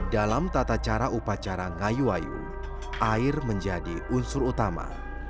dalam tata cara upacara ngayu ayu air menjadi unsur utama